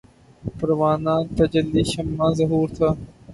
پروانۂ تجلی شمع ظہور تھا